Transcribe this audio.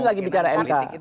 ini lagi bicara mk